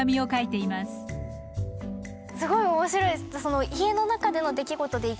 すごい面白いです。